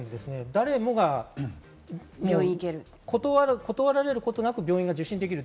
誰もが断られることなく病院が受診できる。